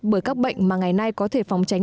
bởi các bệnh mà ngày nay có thể phòng tránh